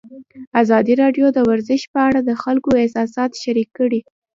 ازادي راډیو د ورزش په اړه د خلکو احساسات شریک کړي.